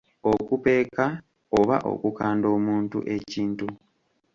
Okupeeka oba okukanda omuntu ekintu.